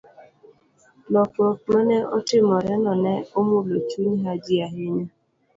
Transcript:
Lokruok ma ne otimoreno ne omulo chuny Haji ahinya.